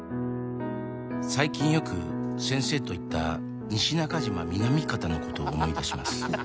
「最近よく先生と行った西中島南方のことを思い出します」